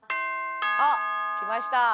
あっ来ました。